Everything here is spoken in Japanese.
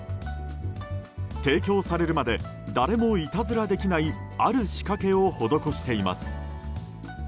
提供されるまで誰もいたずらできないある仕掛けを施しています。